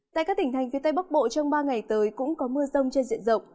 tại các tỉnh thành phía tây bắc bộ trong ba ngày tới cũng có mưa rông trên diện rộng